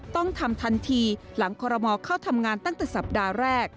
ต้องทำทันทีหลังคอรมอลเข้าทำงานตั้งแต่สัปดาห์แรก